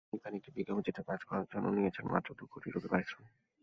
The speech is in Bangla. আমির খান একটি বিজ্ঞাপনচিত্রে কাজ করার জন্য নিচ্ছেন মাত্র দুই কোটি রুপি পারিশ্রমিক।